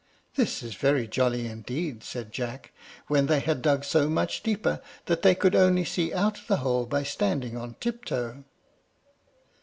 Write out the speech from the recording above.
"This is very jolly indeed," said Jack, when they had dug so much deeper that they could only see out of the hole by standing on tiptoe.